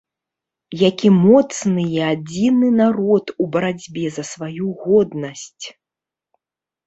Які моцны і адзіны народ у барацьбе за сваю годнасць.